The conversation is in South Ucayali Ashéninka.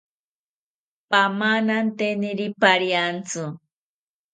Pamananteniri pariantzi